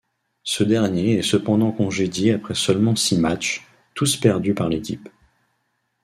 Ce dernier est cependant congédié après seulement six matchs, tous perdus par l'équipe.